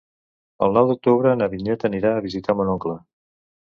El nou d'octubre na Vinyet anirà a visitar mon oncle.